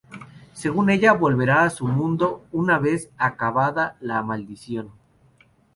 Según ella, volverá a su mundo una vez acabada la maldición.